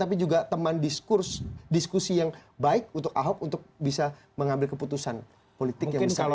tapi juga teman diskusi yang baik untuk ahok untuk bisa mengambil keputusan politik yang besar